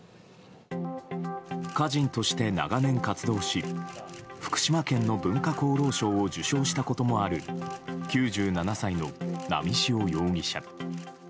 歌人として長年活動し福島県の文化功労賞を受賞したこともある９７歳の波汐容疑者。